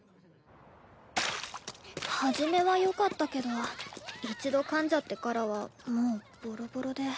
初めはよかったけど一度かんじゃってからはもうボロボロで。